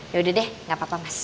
yaudah deh gak apa apa mas